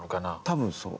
多分そう。